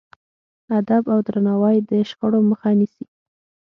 ادب او درناوی د شخړو مخه نیسي.